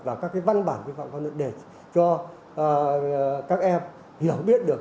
và các cái văn bản quy phạm pháp luật để cho các em hiểu biết được